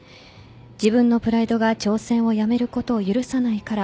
自分のプライドが挑戦をやめることを許さないから。